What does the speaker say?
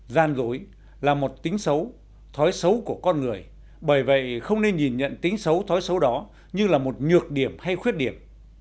gian dối là một tính xấu thói xấu của con người bởi vậy không nên nhìn nhận tính xấu thói xấu đó như là một nhược điểm hay khuyết điểm